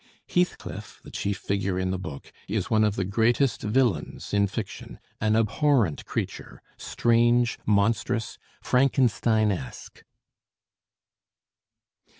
Heathcliff, the chief figure in the book, is one of the greatest villains in fiction, an abhorrent creature, strange, monstrous, Frankensteinesque.